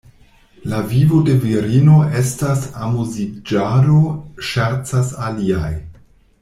La vivo de virino estas amuziĝado, ŝercas aliaj.